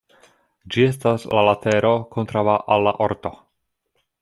Ĝi estas la latero kontraŭa al la orto.